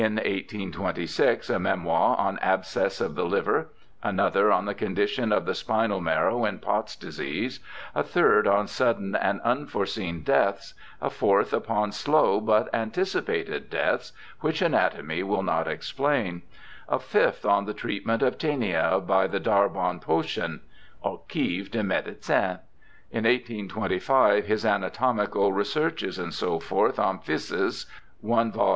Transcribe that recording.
' In 1826, a memoir on abscess of the liver; another on the condition of the spinal marrow in Pott's disease ; a third on sudden and unforeseen deaths ; a fourth upon slow but anticipated deaths, which anatomy will not explain ; a fifth on the treatment of taenia by the Darbon potion (Archives de medecine). * In 1825, his Anatomical Researches, &c., on Phthisis (i vol.